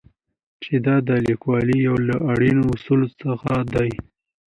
چې دا د لیکوالۍ یو له اړینو اصولو څخه دی.